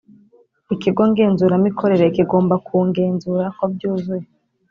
Ikigo ngenzuramikorere kigomba kungenzura ko byuzuye